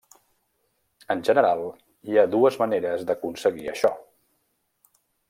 En general, hi ha dues maneres d'aconseguir això.